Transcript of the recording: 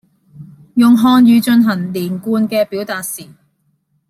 用漢語進行連貫嘅表達時